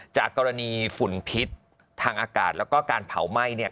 จากกรณีฝุ่นพิษทางอากาศแล้วก็การเผาไหม้เนี่ย